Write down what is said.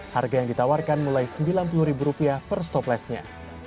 harga yang ditawarkan mulai sembilan puluh ribu rupiah per stoplessnya